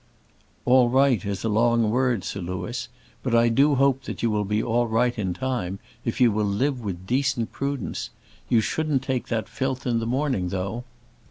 "'All right' is a long word, Sir Louis. But I do hope you will be all right in time, if you will live with decent prudence. You shouldn't take that filth in the morning though."